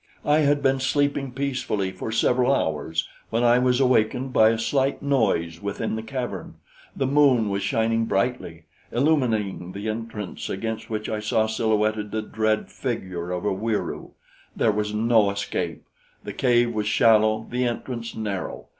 "I had been sleeping peacefully for several hours when I was awakened by a slight noise within the cavern. The moon was shining brightly, illumining the entrance, against which I saw silhouetted the dread figure of a Wieroo. There was no escape. The cave was shallow, the entrance narrow.